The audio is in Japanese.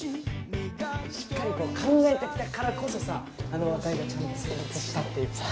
しっかりこう考えてきたからこそさあの和解がちゃんと成立したっていうかさ。